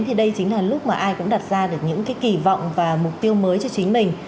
thì đây chính là lúc mà ai cũng đặt ra được những cái kỳ vọng và mục tiêu mới cho chính mình